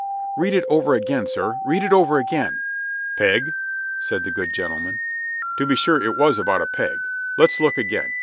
Read it over again, sir read it over again!" "Peg?" said the good gentleman. "To be sure it was about a peg. Let's look again.